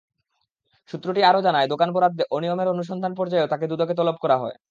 সূত্রটি আরও জানায়, দোকান বরাদ্দে অনিয়মের অনুসন্ধান পর্যায়েও তাঁকে দুদকে তলব করা হয়।